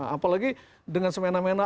apalagi dengan semena mena